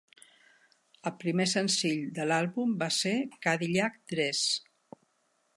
El primer senzill de l'àlbum va ser "Cadillac Dress".